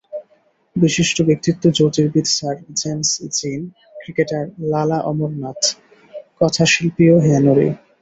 বিশিষ্ট ব্যক্তিত্ব জ্যোতির্বিদ sir James Jeans, cricketer Lala Amarnath, কথাশিল্পীও Henry.